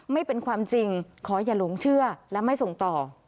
ไม่เป็นความจริงขออย่าหลงเชื่อและไม่ส่งต่อ